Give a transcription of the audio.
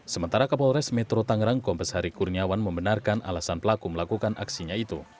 sementara kapal res metro tanggerang kompas hari kurniawan membenarkan alasan pelaku melakukan aksinya itu